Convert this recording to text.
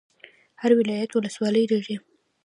هر ولایت ولسوالۍ لري